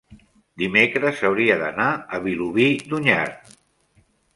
dimecres hauria d'anar a Vilobí d'Onyar.